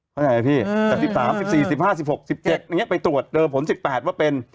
เข้าใจไหมพี่๑๓๑๔๑๕๑๖๑๗ไปตรวจเดิมผล๑๘ว่าเป็น